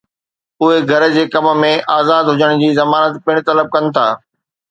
اهي گهر جي ڪم ۾ آزاد هجڻ جي ضمانت پڻ طلب ڪن ٿا